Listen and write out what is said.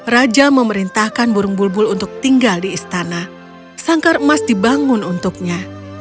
raja memerintahkan burung bulbul untuk tinggal di istana sangkar emas dibangun untuknya